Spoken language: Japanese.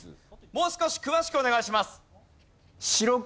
もう少し詳しくお願いします。